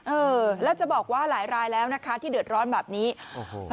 เออแล้วจะบอกว่าหลายรายแล้วนะคะที่เดือดร้อนแบบนี้โอ้โห